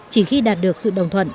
chỉ khi đạt được sự đồng thuận